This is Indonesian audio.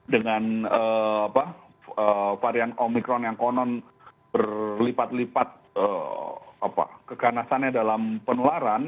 dengan varian omikron yang konon berlipat lipat keganasannya dalam penularan